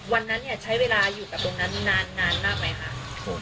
วันนั้นใช้เวลาอยู่ตรงนั้นนานน่ะไหมคะ